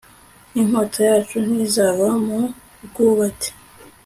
inkota yacu ntizava mu rwubati